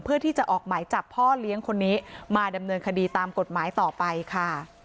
เพื่อที่จะออกหมายจับพ่อเลี้ยงคนนี้มาดำเนินคดีตามกฎหมายต่อไปค่ะ